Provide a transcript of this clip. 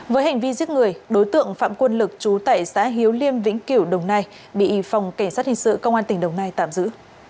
với hành vi giết người đối tượng phạm quân lực trú tại xã hiếu liêm vĩnh cửu đồng nai bị phòng cảnh sát hình sự công an tỉnh đồng nai tạm giữ